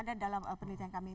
ada dalam penelitian kami